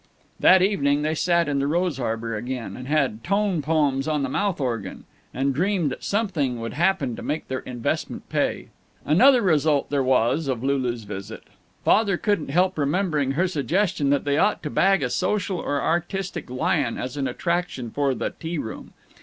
That evening they sat in the rose arbor again. And had tone poems on the mouth organ. And dreamed that something would happen to make their investment pay. Another result there was of Lulu's visit. Father couldn't help remembering her suggestion that they ought to bag a social or artistic lion as an attraction for "The T Room."